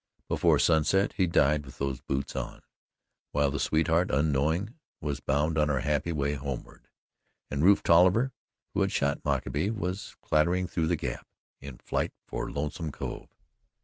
Before sunset he died with those boots on, while the sweetheart, unknowing, was bound on her happy way homeward, and Rufe Tolliver, who had shot Mockaby, was clattering through the Gap in flight for Lonesome Cove.